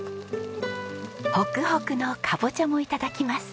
ホクホクのカボチャも頂きます。